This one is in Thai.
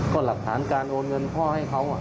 ก็หลักฐานการโอนเงินพ่อให้เขา